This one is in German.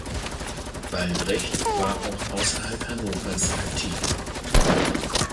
Wallbrecht war auch außerhalb Hannovers aktiv.